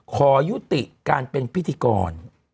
ขอยุติการเป็นพิธีกร